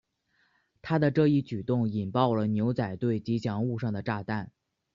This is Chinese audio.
他的这一举动引爆了牛仔队吉祥物上的炸弹。